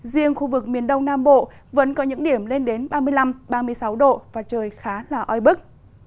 riêng khu vực miền đông nam bộ vẫn có những điểm lên đến ba mươi năm ba mươi sáu độ và trời khá là oi bức